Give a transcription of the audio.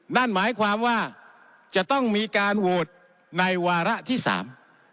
นั่นหมายความว่าจะต้องมีการโหวตในวาระที่สาม